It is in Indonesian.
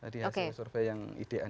jadi hasil survei yang idean